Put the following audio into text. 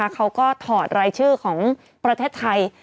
เขาก็ถอดรายชื่อของประเทศไทย